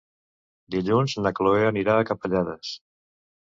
Dilluns na Cloè anirà a Capellades.